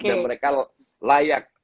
dan mereka layak lolos